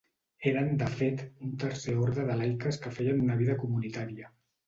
Eren, de fet, un tercer orde de laiques que feien una vida comunitària.